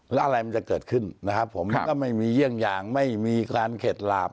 แล้วอะไรมันจะเกิดขึ้นนะครับผมมันก็ไม่มีเยี่ยงอย่างไม่มีการเข็ดหลาบ